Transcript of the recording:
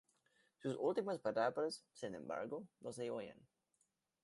Sus últimas palabras, sin embargo, no se oyen.